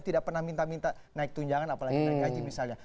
tidak pernah minta minta naik tunjangan apalagi naik haji misalnya